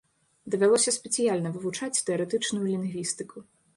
Давялося спецыяльна вывучаць тэарэтычную лінгвістыку.